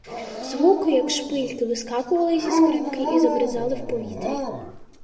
Звуки, як шпильки, вискакували зі скрипки і замерзали в повітрі.